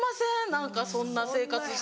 何かそんな生活してて。